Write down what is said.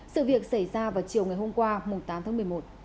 sự việc xảy ra vào chiều ngày hôm qua tám tháng một mươi một